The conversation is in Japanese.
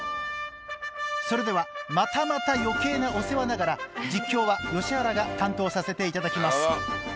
それではまたまた余計なお世話ながら実況は吉原が担当させていただきます。